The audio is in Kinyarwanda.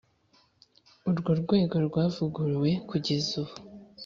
Urworwego rwavuguruwe kugeza ubu .